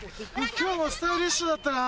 今日もスタイリッシュだったな。